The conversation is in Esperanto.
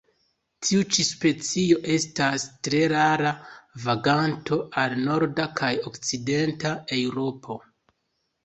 Tiu ĉi specio estas tre rara vaganto al norda kaj okcidenta Eŭropo.